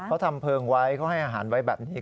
เขาทำเพลิงไว้เขาให้อาหารไว้แบบนี้